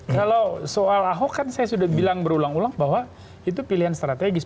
kalau soal ahok kan saya sudah bilang berulang ulang bahwa itu pilihan strategis